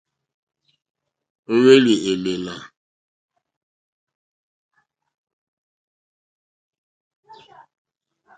Ó hwélì èlèlà.